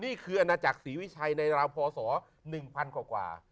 นี่คืออาณาจักรศรีวิชัยในราวพศ๑๐๐กว่า